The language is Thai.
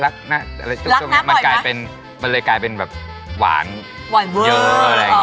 รักน่ารักผ่านมังลิทธิ์แล้วเหมือนกว่ากลายเป็นหวานเยอะหวานเวอร์